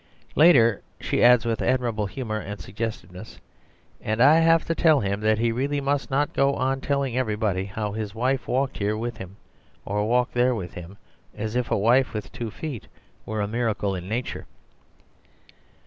Later, she adds with admirable humour and suggestiveness, "and I have to tell him that he really must not go telling everybody how his wife walked here with him, or walked there with him, as if a wife with two feet were a miracle in Nature."